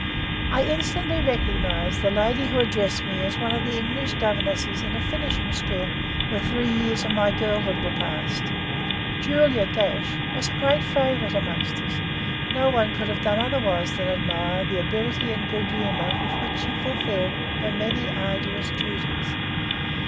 I instantly recognised the lady who addressed me as one of the English governesses in a "finishing" school where three years of my girlhood were passed. Julia was a great favourite among us; no one could have done otherwise than admire the ability and good humour with which she fulfilled her many arduous duties.